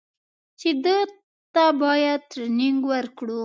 چې ده ته بايد ټرېننگ ورکړو.